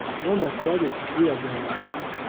L'ambassade est située à Berlin.